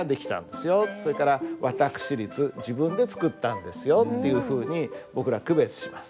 それから「私立」自分で作ったんですよっていうふうに僕ら区別します。